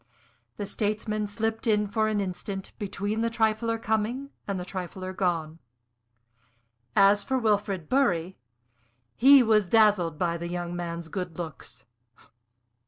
The statesman slipped in for an instant between the trifler coming and the trifler gone. As for Wilfrid Bury, he was dazzled by the young man's good looks.